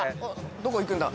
どこいくんだ？